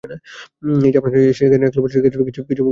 এই-যে আপনারা এসে একলা বসে আছেন, কিছু মনে করবেন না– শ্রীশ।